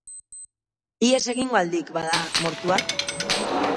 Ihes egingo al dik, bada, mortuak?